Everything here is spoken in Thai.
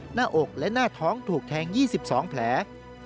หน้าอกและหน้าท้องถูกแทง๒๒แผล